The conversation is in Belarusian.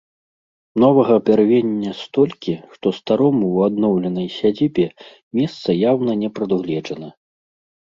Новага бярвення столькі, што старому ў адноўленай сядзібе месца яўна не прадугледжана.